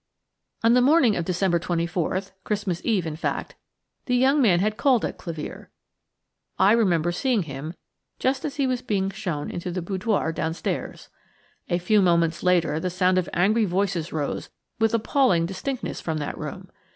On that morning of December 24th–Christmas Eve, in fact–the young man had called at Clevere. I remember seeing him just as he was being shown into the boudoir downstairs. A few moments later the sound of angry voices rose with appalling distinctness from that room.